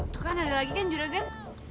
itu kan ada lagi kan juragan